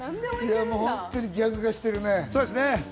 本当、ギャグ化してるね。